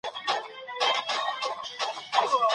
که صادرات ولرو نو ارزښت مو نه ټیټیږي.